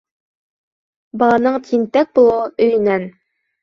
Баланың тинтәк булыуы өйөнән